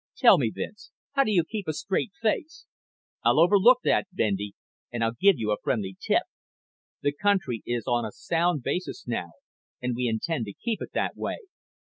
"Tell me, Vince, how do you keep a straight face?" "I'll overlook that, Bendy, and I'll give you a friendly tip. The country is on a sound basis now and we intend to keep it that way.